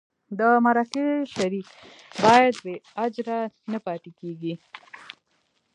د مرکه شریک باید بې اجره نه پاتې کېږي.